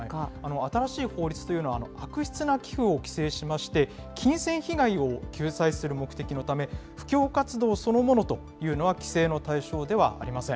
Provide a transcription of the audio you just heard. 新しい法律というのは、悪質な寄付を規制しまして、金銭被害を救済する目的のため、布教活動そのものというのは規制の対象ではありません。